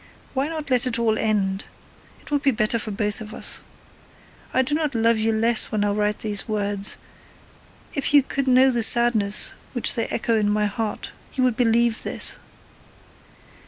Why not let it all end? it would be better for both of us. I do not love you less when I write these words; if you could know the sadness which they echo in my heart you would believe this.